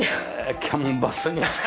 キャンバスにして。